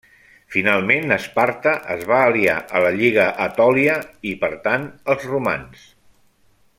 Finalment Esparta es va aliar a la Lliga Etòlia i per tant als romans.